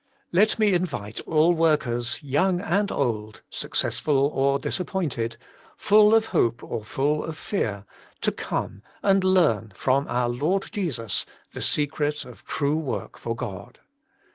Let me invite all workers, young and old, successful or disappointed, full of hope or full of fear, to come and learn from our Lord Jesus the secret of true work for God.